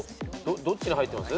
どっちに入ってます？